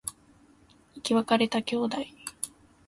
生き別れた兄弟